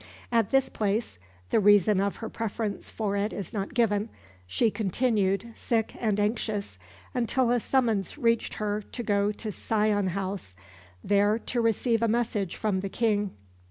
At this place the reason of her preference for it is not given she continued, sick and anxious, until a summons reached her to go to Sion House, there to receive a message from the King.